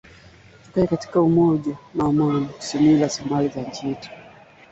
kutoka Mbale na mingine mitatu kutoka Kapchorwa